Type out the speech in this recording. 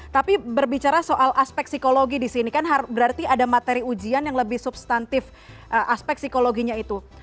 tapi berbicara soal aspek psikologi di sini kan berarti ada materi ujian yang lebih substantif aspek psikologinya itu